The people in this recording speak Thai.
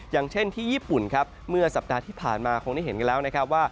อย่างเช่นที่ญี่ปุ่นเมื่อสัปดาห์ที่ผ่านมาคงได้เห็นกันแล้ว